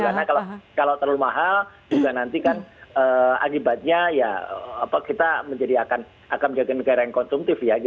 karena kalau terlalu mahal juga nanti kan akibatnya ya kita akan menjadi negara yang konsumtif ya